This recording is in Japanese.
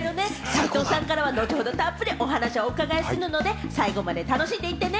齊藤さんからは後ほどたっぷりお話を伺いするので最後まで楽しんでいってね。